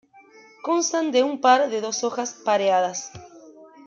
Constan de un par de dos hojas pareadas.